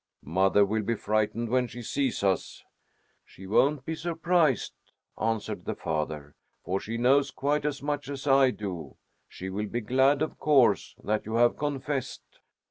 "Mother will be frightened when she sees us." "She won't be surprised," answered the father, "for she knows quite as much as I do. She will be glad, of course, that you have confessed."